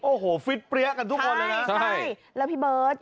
โอ้โหฟิตเปรี้ยกันทุกคนเลยนะใช่แล้วพี่เบิร์ต